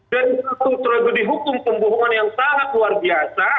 dari satu tragedi hukum pembohongan yang sangat luar biasa